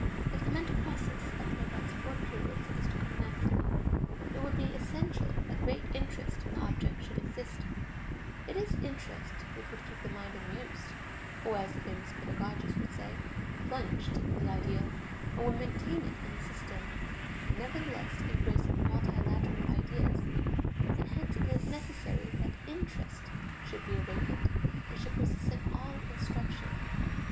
If the mental process of Herbart's four periods is to come naturally, it would be essential that great interest in the object should exist; it is interest which would keep the mind amused, or, as the famous pedagogist would say, plunged in the idea, and would maintain it in a system nevertheless embracing multilateral ideas; and hence it is necessary that "interest" should be awakened and should persist in all instruction.